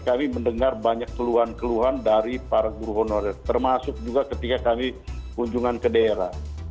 kami mendengar banyak keluhan keluhan dari para guru honorer termasuk juga ketika kami kunjungan ke daerah